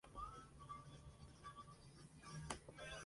Кирик, "ostrov sv.